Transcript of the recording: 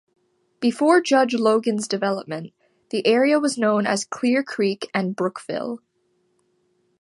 Before Judge Logan's development, the area was known as Clear Creek and Brookville.